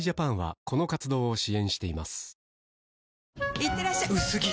いってらっしゃ薄着！